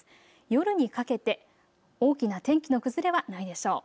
夜にかけて大きな天気の崩れはないでしょう。